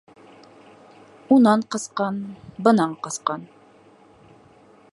Унан ҡасҡан, бынан ҡасҡан.